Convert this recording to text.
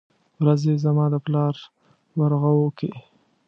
ورځې زما د پلار ورغوو کې ،